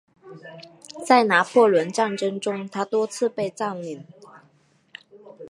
在拿破仑战争中它多次被占领。